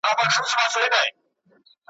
پیر اغوستې ګودړۍ وه ملنګینه ,